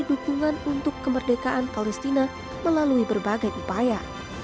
dukungan untuk kemerdekaan palestina melalui berbagai upaya